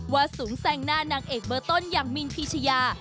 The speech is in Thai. สูงแซงหน้านางเอกเบอร์ต้นอย่างมินพีชยา